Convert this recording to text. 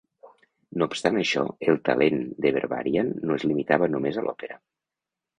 No obstant això, el talent de Berbarian no es limitava només a l'òpera.